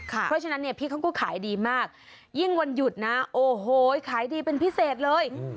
เพราะฉะนั้นเนี่ยพี่เขาก็ขายดีมากยิ่งวันหยุดนะโอ้โหขายดีเป็นพิเศษเลย